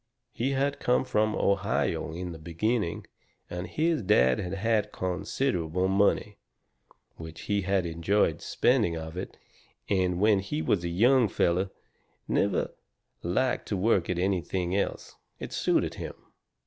He had come from Ohio in the beginning, and his dad had had considerable money. Which he had enjoyed spending of it, and when he was a young feller never liked to work at nothing else. It suited him.